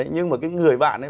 nhưng mà cái người bạn ấy